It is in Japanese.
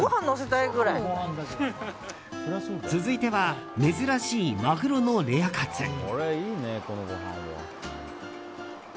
続いては珍しいマグロのレアカツ。